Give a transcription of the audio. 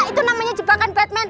itu namanya jebakan batman